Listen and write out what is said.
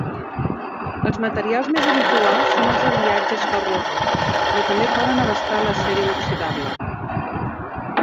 Els materials més habituals són els aliatges ferrosos, però també poden abastar l'acer inoxidable.